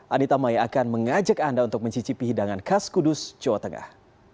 anita maya akan mengajak anda untuk mencicipi hidangan khas kudus jawa tengah